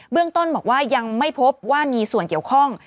เรื่องต้นบอกว่ายังไม่พบว่ามีส่วนเกี่ยวข้อง